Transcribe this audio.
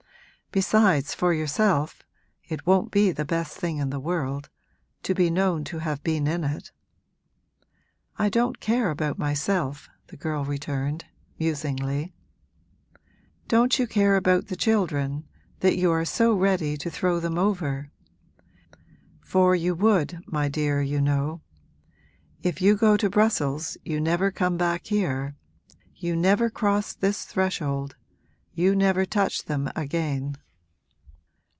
'Besides for yourself, it won't be the best thing in the world to be known to have been in it.' 'I don't care about myself,' the girl returned, musingly. 'Don't you care about the children, that you are so ready to throw them over? For you would, my dear, you know. If you go to Brussels you never come back here you never cross this threshold you never touch them again!'